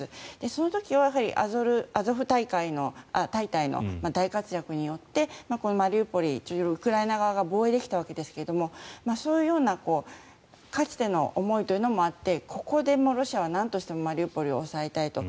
その時はやはりアゾフ大隊の大活躍によってこのマリウポリをウクライナ側が防衛できたわけですがそういうようなかつての思いというのもあってここでロシアはなんとしてもマリウポリを押さえたいと。